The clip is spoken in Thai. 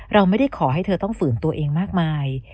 เราไม่ได้ขอให้เธอต้องฝืนตัวเองมากมาย